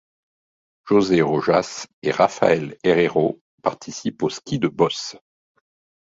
José Rojas et Rafael Herrero participent au ski de bosses.